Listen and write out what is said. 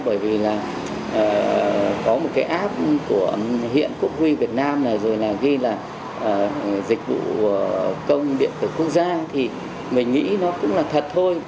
bởi vì là có một cái app của hiện cục quy việt nam này rồi là ghi là dịch vụ công điện tử quốc gia thì mình nghĩ nó cũng là thật thôi